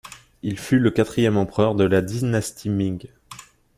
Il fut le quatrième empereur de la dynastie Ming.